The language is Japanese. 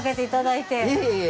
いえいえ。